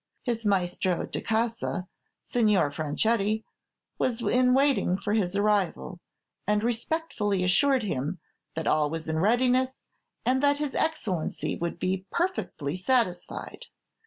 His Maestro di Casa, Signor Franchetti, was in waiting for his arrival, and respectfully assured him "that all was in readiness, and that his Excellency would be perfectly satisfied.